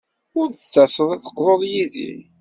Ur d-tettaseḍ ad teqḍuḍ yid-i?